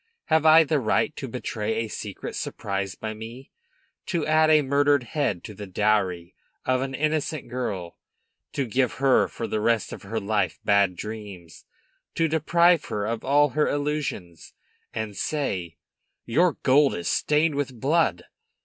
Have I the right to betray a secret surprised by me, to add a murdered head to the dowry of an innocent girl, to give her for the rest of her life bad dreams, to deprive her of all her illusions, and say, 'Your gold is stained with blood'?